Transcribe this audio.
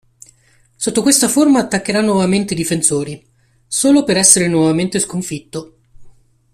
Sotto questa forma attaccherà nuovamente i Difensori, solo per essere nuovamente sconfitto.